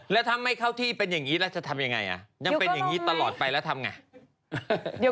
แล้วถ้าไม่เข้าที่เป็นอย่างนี้แล้วจะทำยังไง